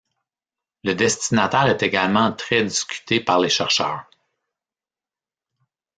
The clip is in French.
Le destinataire est également très discuté par les chercheurs.